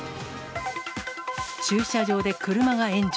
駐車場で車が炎上。